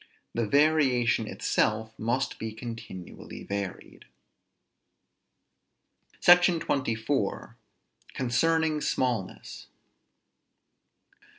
The variation itself must be continually varied. SECTION XXIV. CONCERNING SMALLNESS.